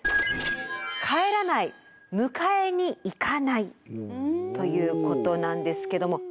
「帰らない・迎えに行かない」ということなんですけども。